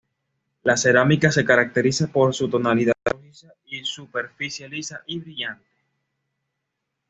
La cerámica se caracteriza por su tonalidad rojiza y superficie lisa y brillante.